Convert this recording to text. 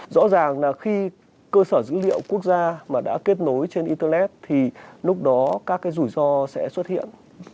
rõ ràng là khi cơ sở dữ liệu quốc gia mà đã kết nối trên internet thì lúc đó các cái rủi ro sẽ xuất hiện